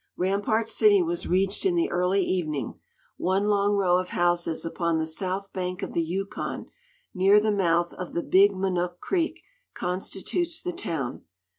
Rampart City was reached in the early evening. One long row of houses upon the south bank of the Yukon, near the mouth of the Big Minook Creek constitutes the town.